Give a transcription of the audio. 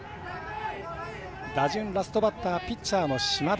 打順、ラストバッターがピッチャーの島田。